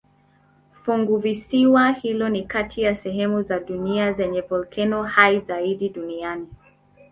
Funguvisiwa hilo ni kati ya sehemu za dunia zenye volkeno hai zaidi duniani.